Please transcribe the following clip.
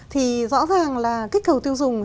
thì rõ ràng là kích cầu tiêu dùng